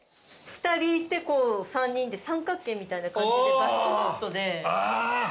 ２人いて３人で三角形みたいな感じでバストショットで。